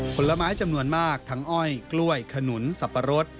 ผลไม้จำนวนมากทั้งอ้อยกล้วยขนุนสับปะรด